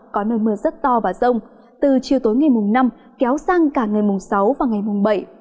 có nơi mưa rất to và rông từ chiều tối ngày mùng năm kéo sang cả ngày mùng sáu và ngày mùng bảy